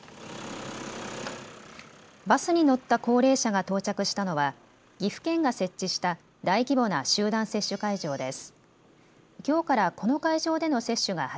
バスに乗った高齢者が到着したのは岐阜県が設置した大規模な集団接種会場です。